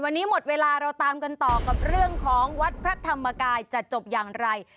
วันนี้หมดเวลาเราตามกันต่อกับเรื่องของวัดพระธรรมกายจะจบอย่างไร